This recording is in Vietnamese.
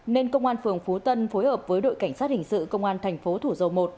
nên công an phường phú tân phối hợp với đội cảnh sát hình sự công an thành phố thủ dầu một